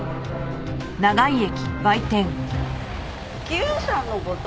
久さんの事？